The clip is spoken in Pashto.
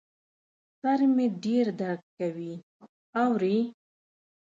سر مي ډېر درد کوي ، اورې ؟